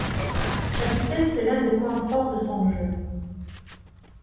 Sa vitesse est l'un des points forts de son jeu.